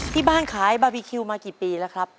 ที่บ้านขายบาร์บีคิวมากี่ปีแล้วครับ